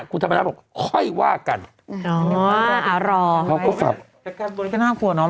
คุณธรรมนาบบอกค่อยว่ากันอ๋ออ่ารอเขาก็ฝับแต่กันบนแค่หน้าผัวน้อง